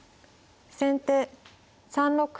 先手３六歩。